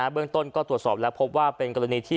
เบื้องต้นก็ตรวจสอบแล้วพบว่าเป็นกรณีที่